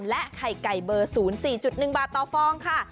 และไข่ไก่เบอร์๐๔๑บาทต่อฟองค่ะ